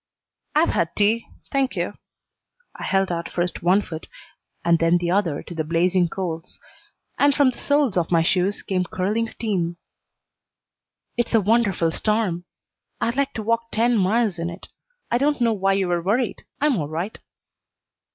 "I've had tea, thank you." I held out first one foot and then the other to the blazing coals, and from the soles of my shoes came curling steam. "It's a wonderful storm. I'd like to walk ten miles in it. I don't know why you were worried. I'm all right."